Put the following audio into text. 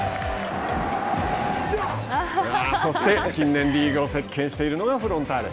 そして、近年リーグを席けんしているのがフロンターレ。